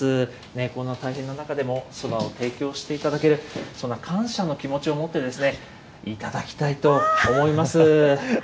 こんな大変な中でもそばを提供していただける、そんな感謝の気持ちを持って、頂きたいと思います。